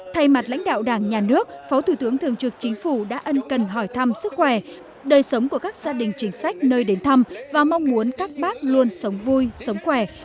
thay mặt lãnh đạo đảng nhà nước phó thủ tướng thường trực chính phủ đã ân cần hỏi thăm sức khỏe đời sống của các gia đình chính sách nơi đến thăm và mong muốn các bác luôn sống vui sống khỏe